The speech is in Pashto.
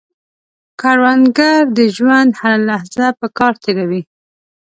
کروندګر د ژوند هره لحظه په کار تېروي